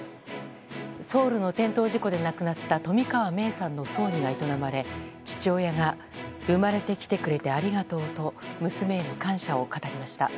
ソウルの転倒事故で亡くなった冨川芽生さんの葬儀が営まれ、父親が生まれてきてくれてありがとうと娘への感謝を語りました。